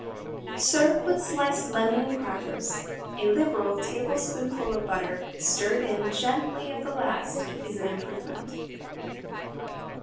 Serve with sliced lemon and crackers. A liberal tablespoonful of butter stirred in gently at the last is an improvement.